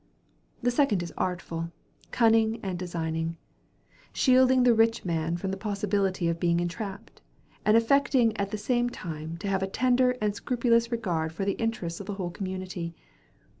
The second is artful, cunning, and designing; shielding the rich man from the possibility of being entrapped, and affecting at the same time, to have a tender and scrupulous regard, for the interests of the whole community.